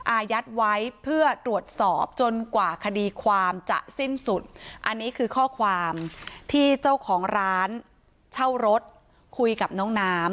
อายัดไว้เพื่อตรวจสอบจนกว่าคดีความจะสิ้นสุดอันนี้คือข้อความที่เจ้าของร้านเช่ารถคุยกับน้องน้ำ